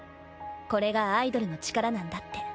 これがアイドルの力なんだって。